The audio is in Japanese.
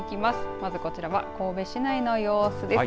まずこちらは神戸市内の様子です。